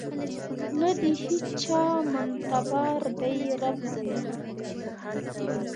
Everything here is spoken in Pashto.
نه د هیچا منتبار دی رب زما